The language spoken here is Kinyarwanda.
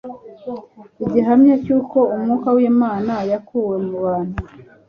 igihamya cy'uko Umwuka w'Imana yakuwe mu bantu